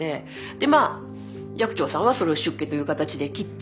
でまあ寂聴さんはそれを出家という形で切った。